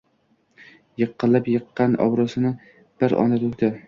Yillab yiqqan obroʻsini bir onda toʻkdi.